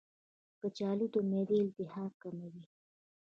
کچالو د معدې التهاب کموي.